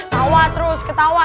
tawa terus ketawa